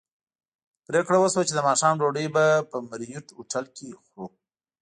پرېکړه وشوه چې د ماښام ډوډۍ به په مریوټ هوټل کې خورو.